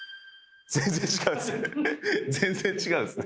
全然違うんすね